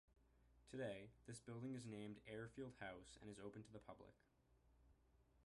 Today, this building is named "Airfield House" and is open to the public.